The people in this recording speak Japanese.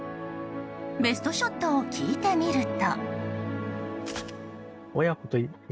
ベストショットを聞いてみると。